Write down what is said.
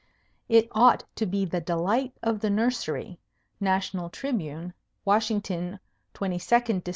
"It ought to be the delight of the nursery." National Tribune, Washington, 22 Dec.